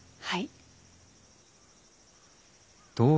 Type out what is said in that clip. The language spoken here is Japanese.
はい。